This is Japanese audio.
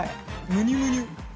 むにゅむにゅ。